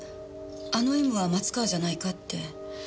あの「Ｍ」は松川じゃないかって。